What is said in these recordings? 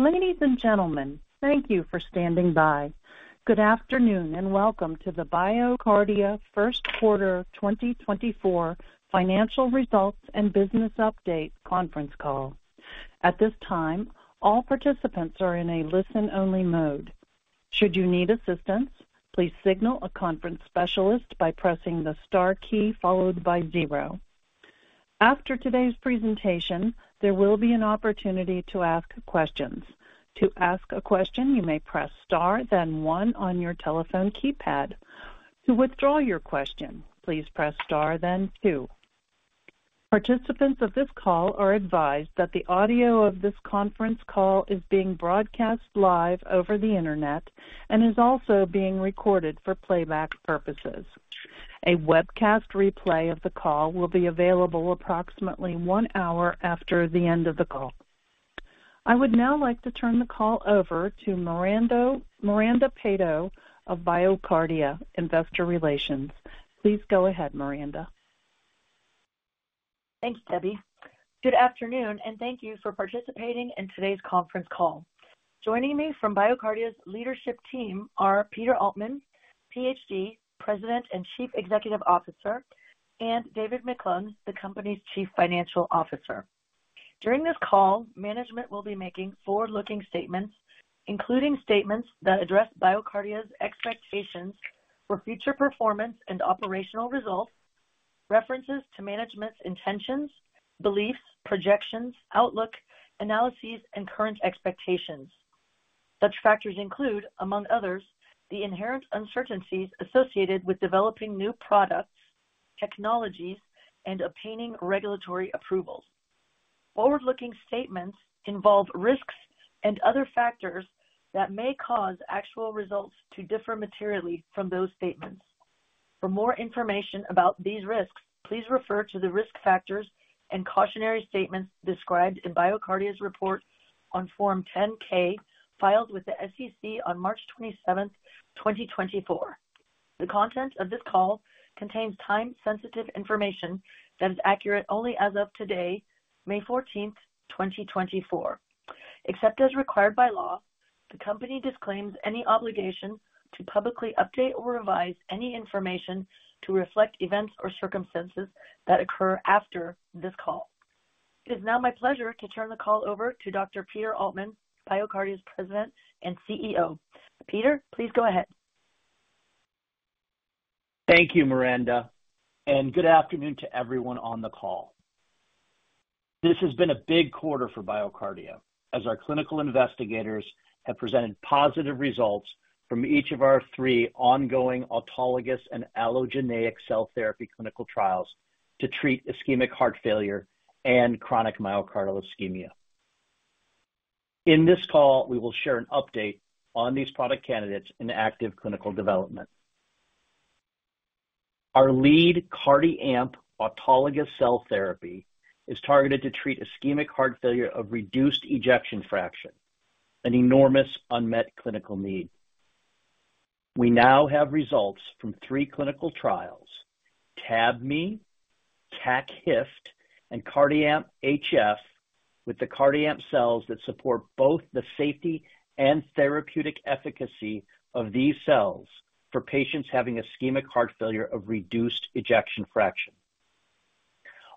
Ladies and gentlemen, thank you for standing by. Good afternoon and welcome to the BioCardia First Quarter 2024 Financial Results and Business Update Conference Call. At this time, all participants are in a listen-only mode. Should you need assistance, please signal a conference specialist by pressing the star key followed by zero. After today's presentation, there will be an opportunity to ask questions. To ask a question, you may press star then one on your telephone keypad. To withdraw your question, please press star then two. Participants of this call are advised that the audio of this conference call is being broadcast live over the internet and is also being recorded for playback purposes. A webcast replay of the call will be available approximately one hour after the end of the call. I would now like to turn the call over to Miranda Peto of BioCardia Investor Relations. Please go ahead, Miranda. Thanks, Debbie. Good afternoon, and thank you for participating in today's conference call. Joining me from BioCardia's leadership team are Peter Altman, Ph.D., President and Chief Executive Officer, and David McClung, the company's Chief Financial Officer. During this call, management will be making forward-looking statements, including statements that address BioCardia's expectations for future performance and operational results, references to management's intentions, beliefs, projections, outlook, analyses, and current expectations. Such factors include, among others, the inherent uncertainties associated with developing new products, technologies, and obtaining regulatory approvals. Forward-looking statements involve risks and other factors that may cause actual results to differ materially from those statements. For more information about these risks, please refer to the risk factors and cautionary statements described in BioCardia's report on Form 10-K filed with the SEC on March 27, 2024. The content of this call contains time-sensitive information that is accurate only as of today, May 14, 2024. Except as required by law, the company disclaims any obligation to publicly update or revise any information to reflect events or circumstances that occur after this call. It is now my pleasure to turn the call over to Dr. Peter Altman, BioCardia's President and CEO. Peter, please go ahead. Thank you, Miranda, and good afternoon to everyone on the call. This has been a big quarter for BioCardia, as our clinical investigators have presented positive results from each of our three ongoing autologous and allogeneic cell therapy clinical trials to treat ischemic heart failure and chronic myocardial ischemia. In this call, we will share an update on these product candidates in active clinical development. Our lead CardiAmp autologous cell therapy is targeted to treat ischemic heart failure of reduced ejection fraction, an enormous unmet clinical need. We now have results from three clinical trials: TAB-MM, TAC-HFT, and CardiAmp HF with the CardiAmp cells that support both the safety and therapeutic efficacy of these cells for patients having ischemic heart failure of reduced ejection fraction.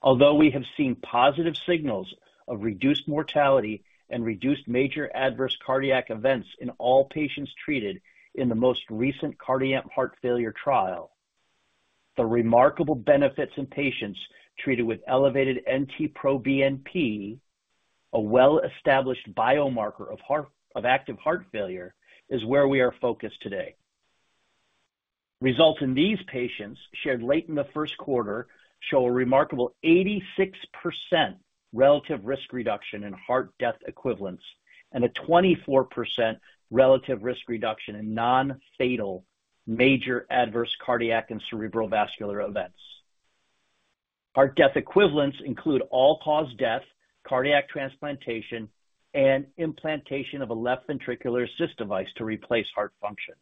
Although we have seen positive signals of reduced mortality and reduced major adverse cardiac events in all patients treated in the most recent CardiAmp Heart Failure trial, the remarkable benefits in patients treated with elevated NT-proBNP, a well-established biomarker of active heart failure, is where we are focused today. Results in these patients shared late in the first quarter show a remarkable 86% relative risk reduction in heart death equivalents and a 24% relative risk reduction in non-fatal major adverse cardiac and cerebrovascular events. Heart death equivalents include all-cause death, cardiac transplantation, and implantation of a left ventricular assist device to replace heart function.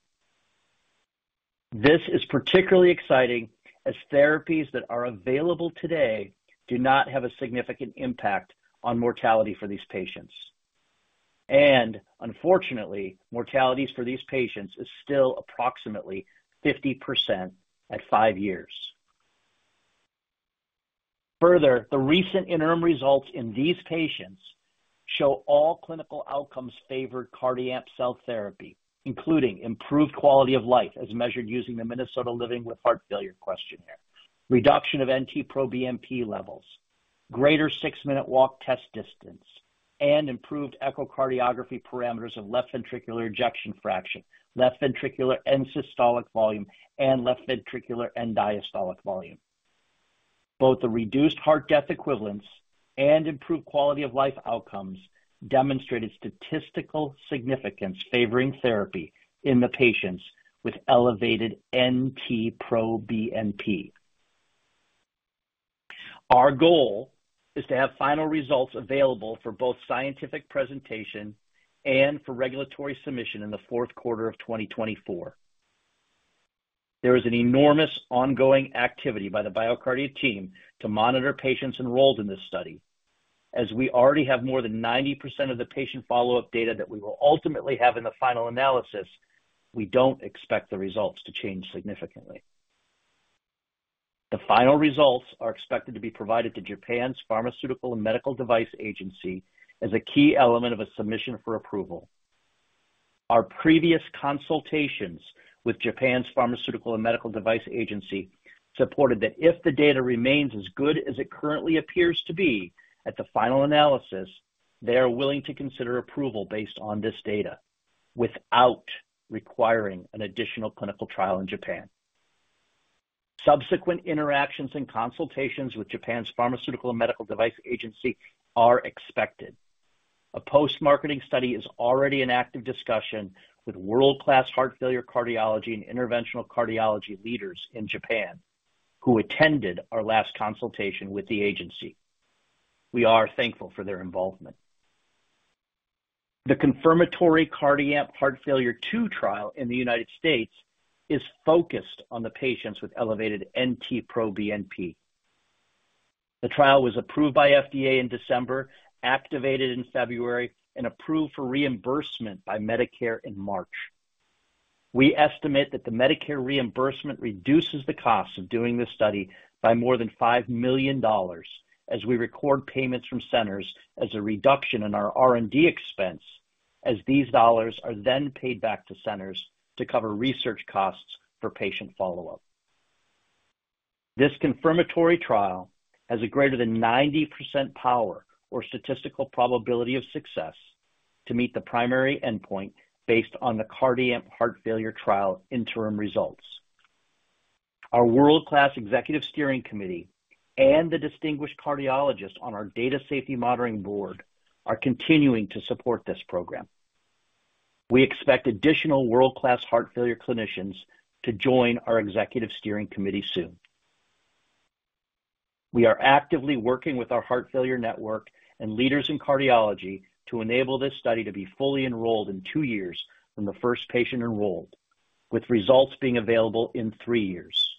This is particularly exciting as therapies that are available today do not have a significant impact on mortality for these patients. And unfortunately, mortalities for these patients are still approximately 50% at five years. Further, the recent interim results in these patients show all clinical outcomes favored CardiAmp cell therapy, including improved quality of life as measured using the Minnesota Living with Heart Failure Questionnaire, reduction of NT-proBNP levels, greater six-minute walk test distance, and improved echocardiography parameters of left ventricular ejection fraction, left ventricular end-systolic volume, and left ventricular end-diastolic volume. Both the reduced heart death equivalents and improved quality of life outcomes demonstrate statistical significance favoring therapy in the patients with elevated NT-proBNP. Our goal is to have final results available for both scientific presentation and for regulatory submission in the fourth quarter of 2024. There is an enormous ongoing activity by the BioCardia team to monitor patients enrolled in this study. As we already have more than 90% of the patient follow-up data that we will ultimately have in the final analysis, we don't expect the results to change significantly. The final results are expected to be provided to Japan's Pharmaceutical and Medical Devices Agency as a key element of a submission for approval. Our previous consultations with Japan's Pharmaceutical and Medical Devices Agency supported that if the data remains as good as it currently appears to be at the final analysis, they are willing to consider approval based on this data without requiring an additional clinical trial in Japan. Subsequent interactions and consultations with Japan's Pharmaceutical and Medical Devices Agency are expected. A post-marketing study is already in active discussion with world-class heart failure cardiology and interventional cardiology leaders in Japan who attended our last consultation with the agency. We are thankful for their involvement. The confirmatory CardiAmp Heart Failure II trial in the United States is focused on the patients with elevated NT-proBNP. The trial was approved by FDA in December, activated in February, and approved for reimbursement by Medicare in March. We estimate that the Medicare reimbursement reduces the cost of doing this study by more than $5 million as we record payments from centers as a reduction in our R&D expense, as these dollars are then paid back to centers to cover research costs for patient follow-up. This confirmatory trial has a greater than 90% power or statistical probability of success to meet the primary endpoint based on the CardiAmp heart failure trial interim results. Our world-class executive steering committee and the distinguished cardiologists on our Data Safety Monitoring Board are continuing to support this program. We expect additional world-class heart failure clinicians to join our executive steering committee soon. We are actively working with our heart failure network and leaders in cardiology to enable this study to be fully enrolled in two years from the first patient enrolled, with results being available in three years.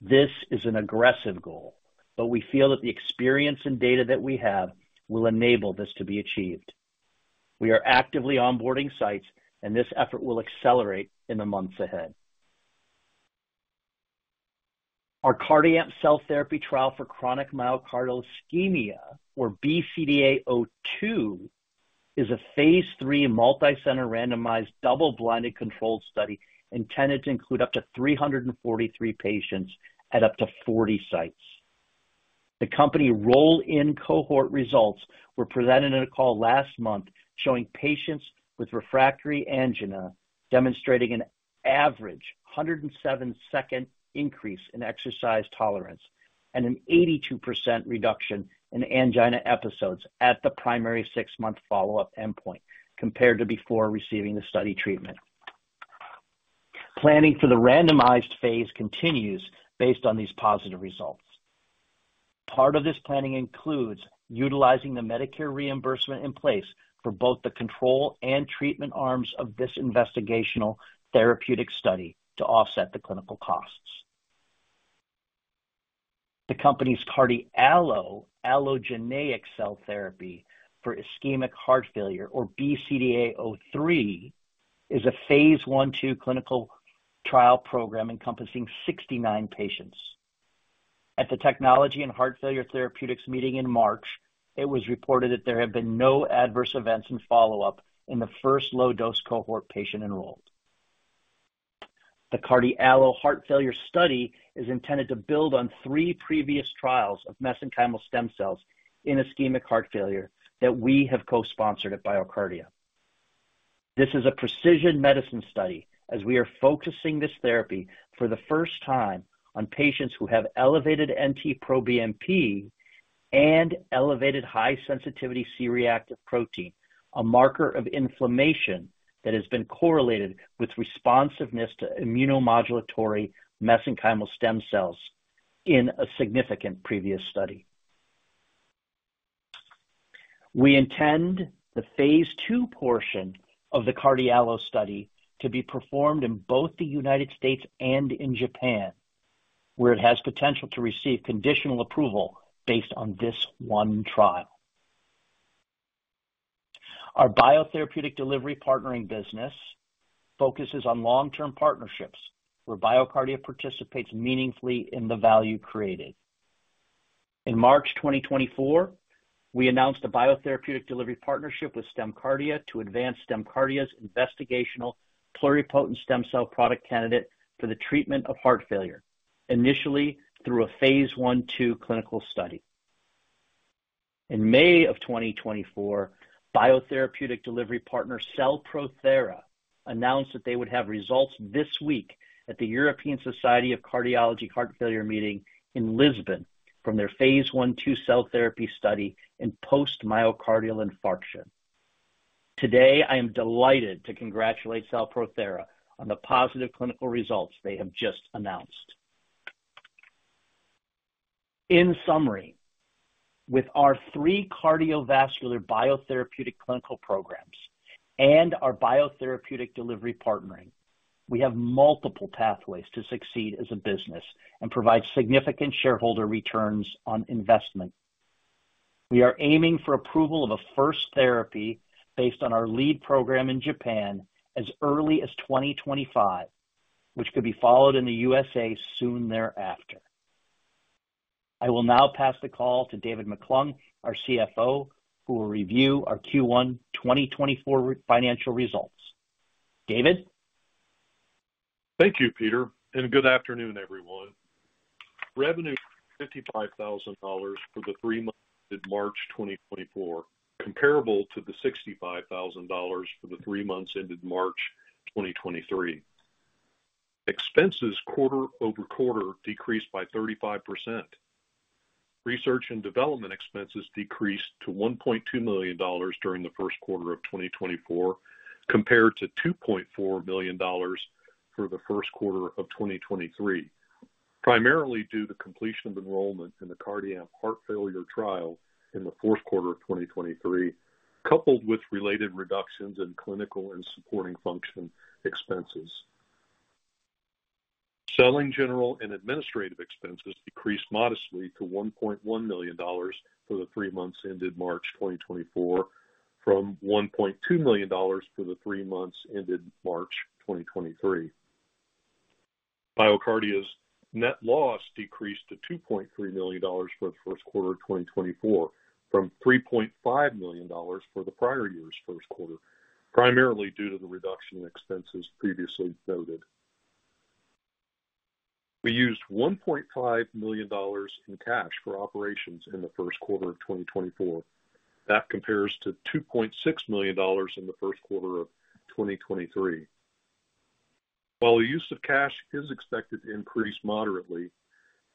This is an aggressive goal, but we feel that the experience and data that we have will enable this to be achieved. We are actively onboarding sites, and this effort will accelerate in the months ahead. Our CardiAmp cell therapy trial for chronic myocardial ischemia, or BCDA-02, is a phase III multi-center randomized double-blinded controlled study intended to include up to 343 patients at up to 40 sites. The company roll-in cohort results were presented in a call last month showing patients with refractory angina demonstrating an average 107-second increase in exercise tolerance and an 82% reduction in angina episodes at the primary six-month follow-up endpoint compared to before receiving the study treatment. Planning for the randomized phase continues based on these positive results. Part of this planning includes utilizing the Medicare reimbursement in place for both the control and treatment arms of this investigational therapeutic study to offset the clinical costs. The company's CardiAlo allogeneic cell therapy for ischemic heart failure, or BCDA-03, is a phase II clinical trial program encompassing 69 patients. At the Technology and Heart Failure Therapeutics meeting in March, it was reported that there have been no adverse events in follow-up in the first low-dose cohort patient enrolled. The CardiAlo heart failure study is intended to build on three previous trials of mesenchymal stem cells in ischemic heart failure that we have co-sponsored at BioCardia. This is a precision medicine study as we are focusing this therapy for the first time on patients who have elevated NT-proBNP and elevated high-sensitivity C-reactive protein, a marker of inflammation that has been correlated with responsiveness to immunomodulatory mesenchymal stem cells in a significant previous study. We intend the phase II portion of the CardiAlo study to be performed in both the United States and in Japan, where it has potential to receive conditional approval based on this one trial. Our biotherapeutic delivery partnering business focuses on long-term partnerships where BioCardia participates meaningfully in the value created. In March 2024, we announced a biotherapeutic delivery partnership with StemCardia to advance StemCardia's investigational pluripotent stem cell product candidate for the treatment of heart failure, initially through a phase II clinical study. In May of 2024, biotherapeutic delivery partner CellProThera announced that they would have results this week at the European Society of Cardiology Heart Failure meeting in Lisbon from their phase II cell therapy study in post-myocardial infarction. Today, I am delighted to congratulate CellProThera on the positive clinical results they have just announced. In summary, with our three cardiovascular biotherapeutic clinical programs and our biotherapeutic delivery partnering, we have multiple pathways to succeed as a business and provide significant shareholder returns on investment. We are aiming for approval of a first therapy based on our lead program in Japan as early as 2025, which could be followed in the USA soon thereafter. I will now pass the call to David McClung, our CFO, who will review our Q1 2024 financial results. David? Thank you, Peter, and good afternoon, everyone. Revenue: $55,000 for the three months ended March 2024, comparable to the $65,000 for the three months ended March 2023. Expenses, quarter-over-quarter, decreased by 35%. Research and development expenses decreased to $1.2 million during the first quarter of 2024 compared to $2.4 million for the first quarter of 2023, primarily due to completion of enrollment in the CardiAmp heart failure trial in the fourth quarter of 2023, coupled with related reductions in clinical and supporting function expenses. Selling general and administrative expenses decreased modestly to $1.1 million for the three months ended March 2024 from $1.2 million for the three months ended March 2023. BioCardia's net loss decreased to $2.3 million for the first quarter of 2024 from $3.5 million for the prior year's first quarter, primarily due to the reduction in expenses previously noted. We used $1.5 million in cash for operations in the first quarter of 2024. That compares to $2.6 million in the first quarter of 2023. While the use of cash is expected to increase moderately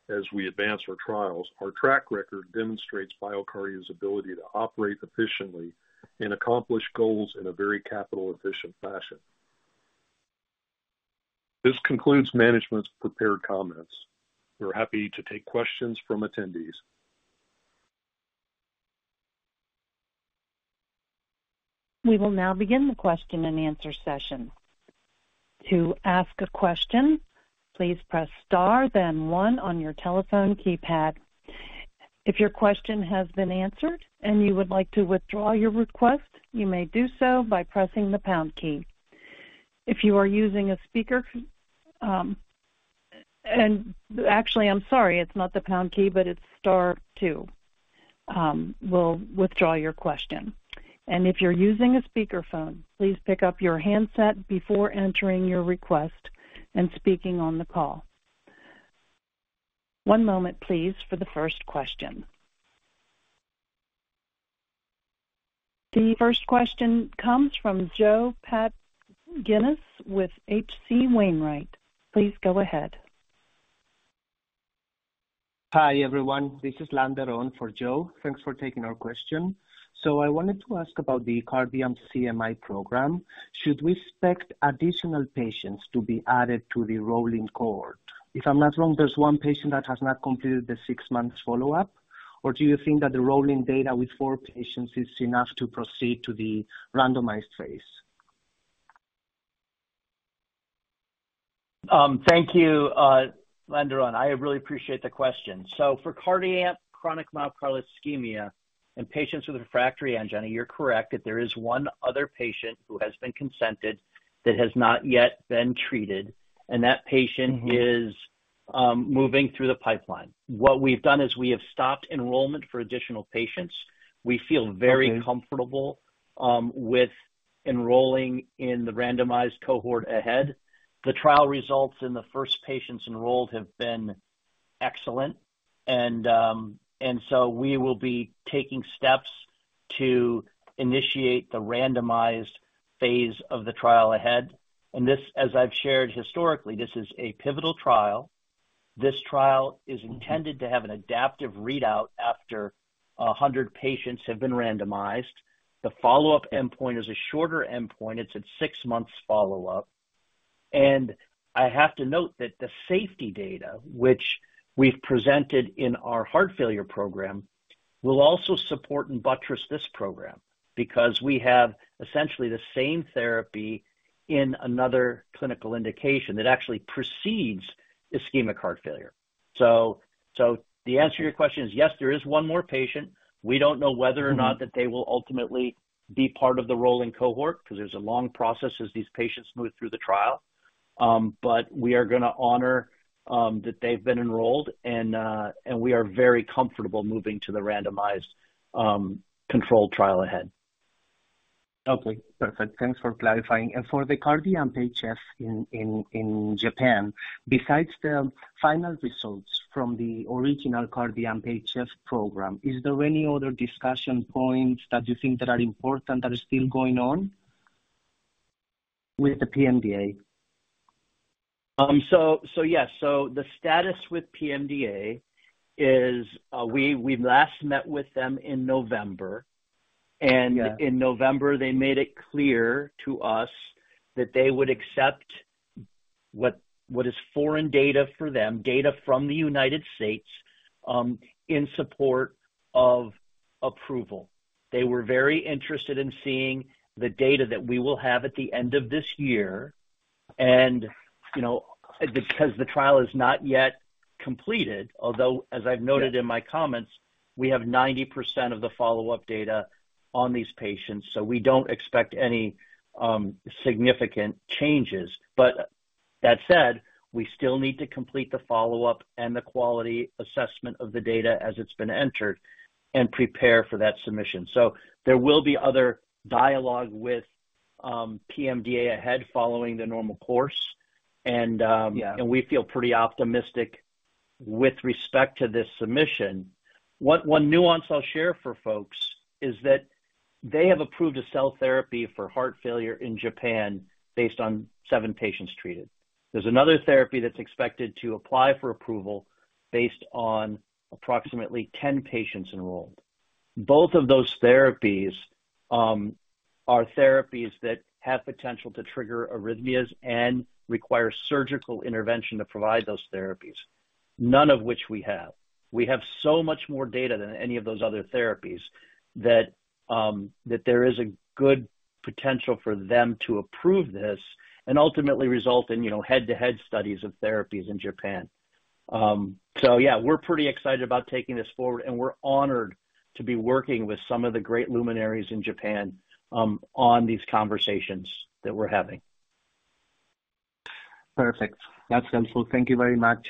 as we advance our trials, our track record demonstrates BioCardia's ability to operate efficiently and accomplish goals in a very capital-efficient fashion. This concludes management's prepared comments. We're happy to take questions from attendees. We will now begin the question and answer session. To ask a question, please press star, then one on your telephone keypad. If your question has been answered and you would like to withdraw your request, you may do so by pressing the pound key. If you are using a speaker and actually, I'm sorry, it's not the pound key, but it's star two, we'll withdraw your question. If you're using a speakerphone, please pick up your handset before entering your request and speaking on the call. One moment, please, for the first question. The first question comes from Joseph Pantginis with H.C. Wainwright. Please go ahead. Hi, everyone. This is Lando Rohn for Joe. Thanks for taking our question. I wanted to ask about the CardiAmp CMI program. Should we expect additional patients to be added to the rolling cohort? If I'm not wrong, there's one patient that has not completed the six-month follow-up, or do you think that the rolling data with four patients is enough to proceed to the randomized phase? Thank you, Lando Rohn. I really appreciate the question. So for CardiAmp chronic myocardial ischemia and patients with refractory angina, you're correct that there is one other patient who has been consented that has not yet been treated, and that patient is moving through the pipeline. What we've done is we have stopped enrollment for additional patients. We feel very comfortable with enrolling in the randomized cohort ahead. The trial results in the first patients enrolled have been excellent, and so we will be taking steps to initiate the randomized phase of the trial ahead. And this, as I've shared historically, this is a pivotal trial. This trial is intended to have an adaptive readout after 100 patients have been randomized. The follow-up endpoint is a shorter endpoint. It's at six-month follow-up. I have to note that the safety data, which we've presented in our heart failure program, will also support and buttress this program because we have essentially the same therapy in another clinical indication that actually precedes ischemic heart failure. So the answer to your question is, yes, there is one more patient. We don't know whether or not that they will ultimately be part of the rolling cohort because there's a long process as these patients move through the trial. But we are going to honor that they've been enrolled, and we are very comfortable moving to the randomized controlled trial ahead. Okay. Perfect. Thanks for clarifying. And for the CardiAmp HF in Japan, besides the final results from the original CardiAmp HF program, is there any other discussion points that you think that are important that are still going on with the PMDA? So yes. So the status with PMDA is we last met with them in November, and in November, they made it clear to us that they would accept what is foreign data for them, data from the United States, in support of approval. They were very interested in seeing the data that we will have at the end of this year because the trial is not yet completed, although, as I've noted in my comments, we have 90% of the follow-up data on these patients, so we don't expect any significant changes. But that said, we still need to complete the follow-up and the quality assessment of the data as it's been entered and prepare for that submission. So there will be other dialogue with PMDA ahead following the normal course, and we feel pretty optimistic with respect to this submission. One nuance I'll share for folks is that they have approved a cell therapy for heart failure in Japan based on seven patients treated. There's another therapy that's expected to apply for approval based on approximately 10 patients enrolled. Both of those therapies are therapies that have potential to trigger arrhythmias and require surgical intervention to provide those therapies, none of which we have. We have so much more data than any of those other therapies that there is a good potential for them to approve this and ultimately result in head-to-head studies of therapies in Japan. So yeah, we're pretty excited about taking this forward, and we're honored to be working with some of the great luminaries in Japan on these conversations that we're having. Perfect. That's helpful. Thank you very much.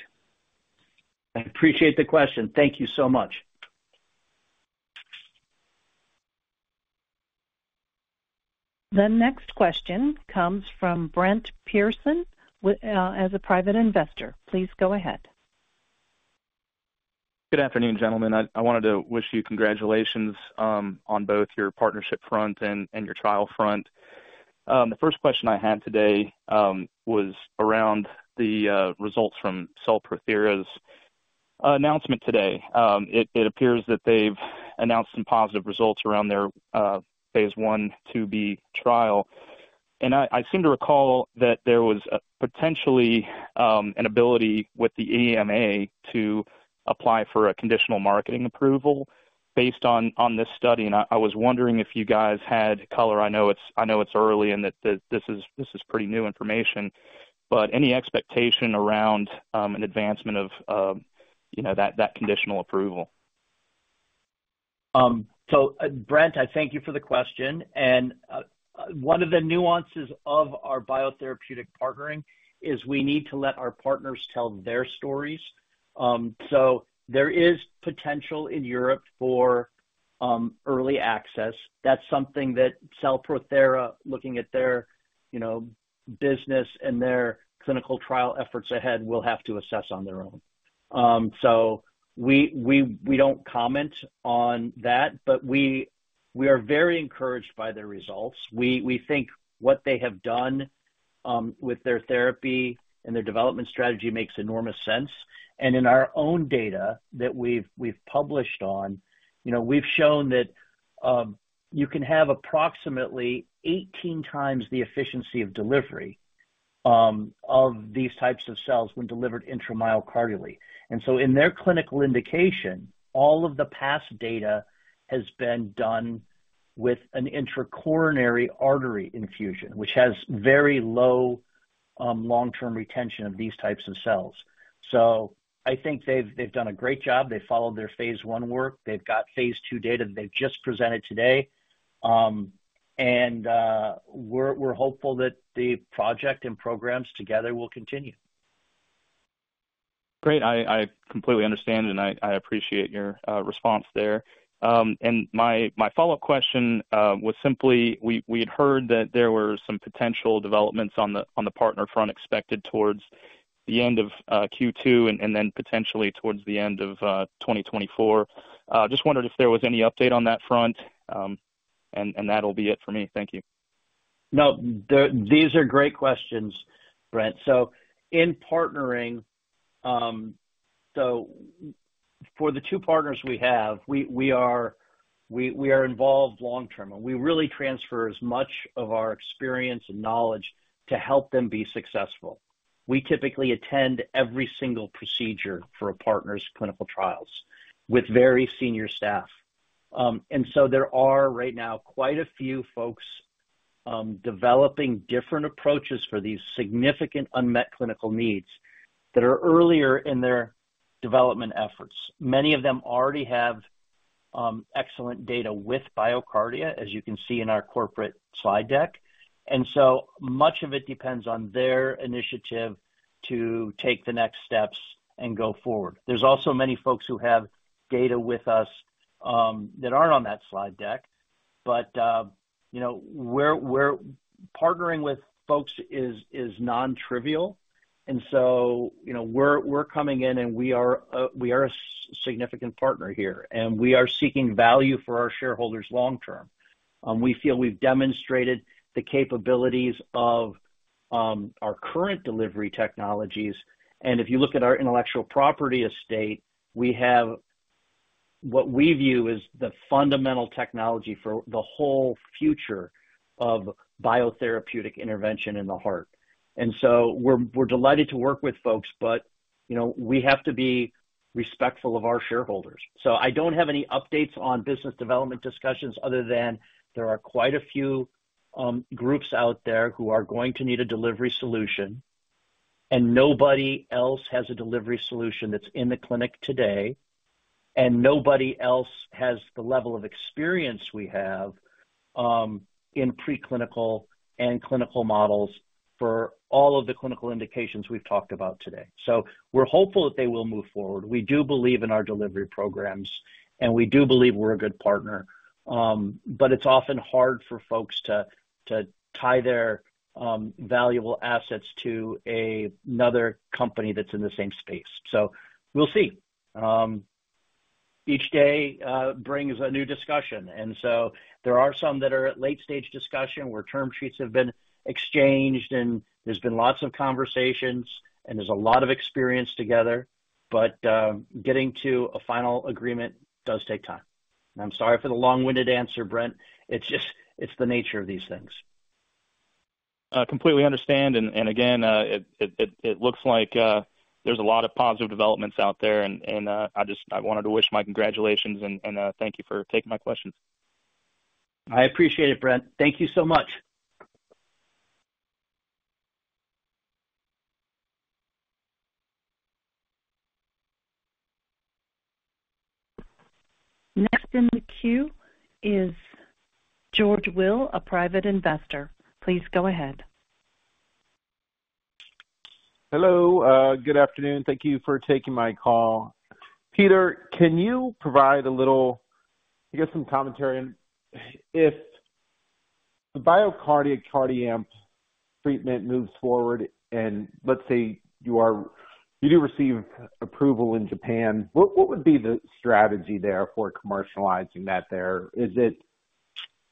I appreciate the question. Thank you so much. The next question comes from Brent Pearson as a private investor. Please go ahead. Good afternoon, gentlemen. I wanted to wish you congratulations on both your partnership front and your trial front. The first question I had today was around the results from CellProThera's announcement today. It appears that they've announced some positive results around their phase I/IIb trial. I seem to recall that there was potentially an ability with the EMA to apply for a conditional marketing approval based on this study. I was wondering if you guys had color. I know it's early and that this is pretty new information, but any expectation around an advancement of that conditional approval? So Brent, I thank you for the question. And one of the nuances of our biotherapeutic partnering is we need to let our partners tell their stories. So there is potential in Europe for early access. That's something that CellProThera, looking at their business and their clinical trial efforts ahead, will have to assess on their own. So we don't comment on that, but we are very encouraged by their results. We think what they have done with their therapy and their development strategy makes enormous sense. And in our own data that we've published on, we've shown that you can have approximately 18x the efficiency of delivery of these types of cells when delivered intramyocardially. And so in their clinical indication, all of the past data has been done with an intracoronary artery infusion, which has very low long-term retention of these types of cells. I think they've done a great job. They've followed their phase I work. They've got phase II data that they've just presented today. We're hopeful that the project and programs together will continue. Great. I completely understand, and I appreciate your response there. My follow-up question was simply we had heard that there were some potential developments on the partner front expected towards the end of Q2 and then potentially towards the end of 2024. Just wondered if there was any update on that front, and that'll be it for me. Thank you. No, these are great questions, Brent. So in partnering so for the two partners we have, we are involved long-term, and we really transfer as much of our experience and knowledge to help them be successful. We typically attend every single procedure for a partner's clinical trials with very senior staff. And so there are right now quite a few folks developing different approaches for these significant unmet clinical needs that are earlier in their development efforts. Many of them already have excellent data with BioCardia, as you can see in our corporate slide deck. And so much of it depends on their initiative to take the next steps and go forward. There's also many folks who have data with us that aren't on that slide deck. But partnering with folks is non-trivial. And so we're coming in, and we are a significant partner here, and we are seeking value for our shareholders long-term. We feel we've demonstrated the capabilities of our current delivery technologies. And if you look at our intellectual property estate, we have what we view as the fundamental technology for the whole future of biotherapeutic intervention in the heart. And so we're delighted to work with folks, but we have to be respectful of our shareholders. So I don't have any updates on business development discussions other than there are quite a few groups out there who are going to need a delivery solution, and nobody else has a delivery solution that's in the clinic today, and nobody else has the level of experience we have in preclinical and clinical models for all of the clinical indications we've talked about today. So we're hopeful that they will move forward. We do believe in our delivery programs, and we do believe we're a good partner. But it's often hard for folks to tie their valuable assets to another company that's in the same space. So we'll see. Each day brings a new discussion. And so there are some that are at late-stage discussion where term sheets have been exchanged, and there's been lots of conversations, and there's a lot of experience together. But getting to a final agreement does take time. And I'm sorry for the long-winded answer, Brent. It's the nature of these things. Completely understand. And again, it looks like there's a lot of positive developments out there, and I wanted to wish my congratulations, and thank you for taking my questions. I appreciate it, Brent. Thank you so much. Next in the queue is George Will, a private investor. Please go ahead. Hello. Good afternoon. Thank you for taking my call. Peter, can you provide a little I guess some commentary on if the BioCardia CardiAmp treatment moves forward, and let's say you do receive approval in Japan, what would be the strategy there for commercializing that there? Is it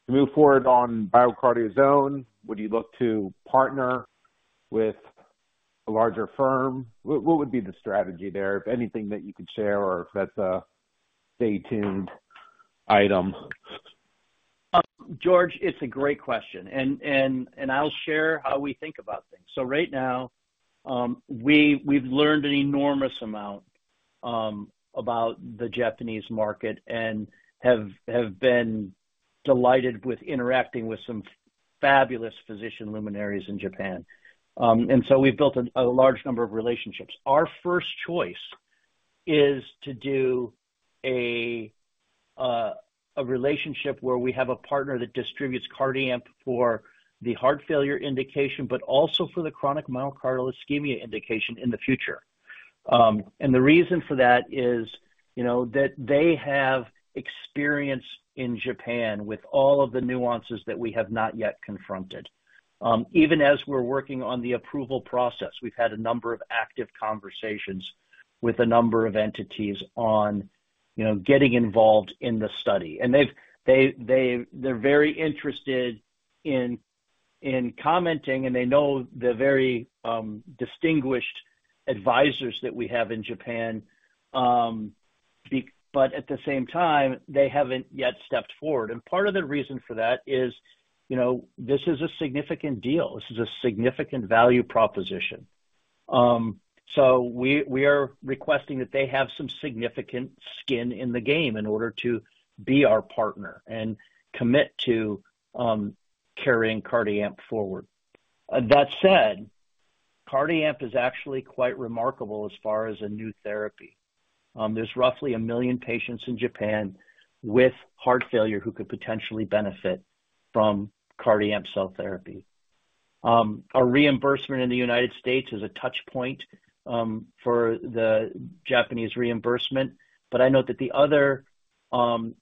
to move forward on BioCardia's own? Would you look to partner with a larger firm? What would be the strategy there, if anything that you could share or if that's a stay-tuned item? George, it's a great question, and I'll share how we think about things. So right now, we've learned an enormous amount about the Japanese market and have been delighted with interacting with some fabulous physician luminaries in Japan. And so we've built a large number of relationships. Our first choice is to do a relationship where we have a partner that distributes CardiAmp for the heart failure indication but also for the chronic myocardial ischemia indication in the future. And the reason for that is that they have experience in Japan with all of the nuances that we have not yet confronted. Even as we're working on the approval process, we've had a number of active conversations with a number of entities on getting involved in the study. And they're very interested in commenting, and they know the very distinguished advisors that we have in Japan. But at the same time, they haven't yet stepped forward. Part of the reason for that is this is a significant deal. This is a significant value proposition. We are requesting that they have some significant skin in the game in order to be our partner and commit to carrying CardiAmp forward. That said, CardiAmp is actually quite remarkable as far as a new therapy. There's roughly 1 million patients in Japan with heart failure who could potentially benefit from CardiAmp cell therapy. Our reimbursement in the United States is a touchpoint for the Japanese reimbursement. But I note that the other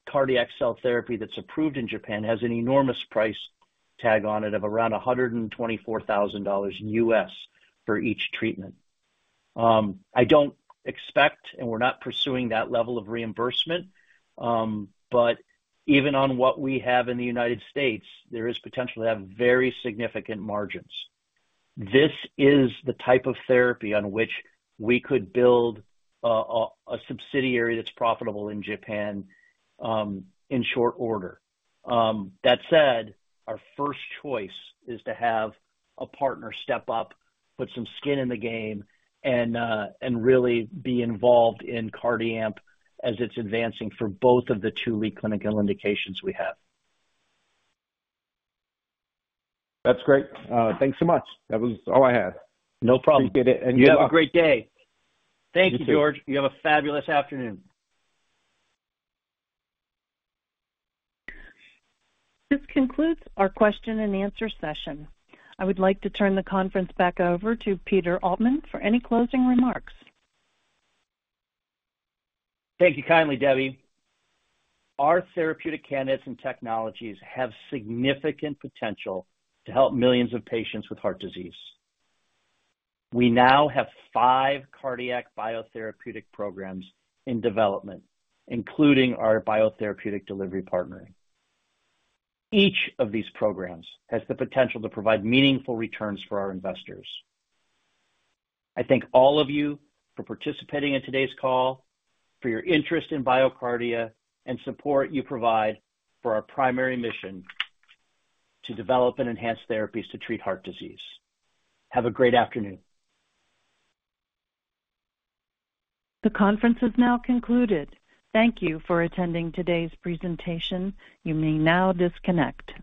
cardiac cell therapy that's approved in Japan has an enormous price tag on it of around $124,000 for each treatment. I don't expect, and we're not pursuing that level of reimbursement, but even on what we have in the United States, there is potential to have very significant margins. This is the type of therapy on which we could build a subsidiary that's profitable in Japan in short order. That said, our first choice is to have a partner step up, put some skin in the game, and really be involved in CardiAmp as it's advancing for both of the two lead clinical indications we have. That's great. Thanks so much. That was all I had. No problem. You have a great day. Thank you, George. You have a fabulous afternoon. This concludes our question-and-answer session. I would like to turn the conference back over to Peter Altman for any closing remarks. Thank you kindly, Debbie. Our therapeutic candidates and technologies have significant potential to help millions of patients with heart disease. We now have five cardiac biotherapeutic programs in development, including our biotherapeutic delivery partnering. Each of these programs has the potential to provide meaningful returns for our investors. I thank all of you for participating in today's call, for your interest in BioCardia, and support you provide for our primary mission to develop and enhance therapies to treat heart disease. Have a great afternoon. The conference is now concluded. Thank you for attending today's presentation. You may now disconnect.